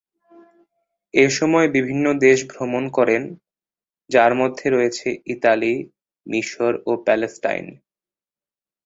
এসময় বিভিন্ন দেশ ভ্রমণ করেন যার মধ্যে রয়েছে ইতালি, মিশর ও প্যালেস্টাইন।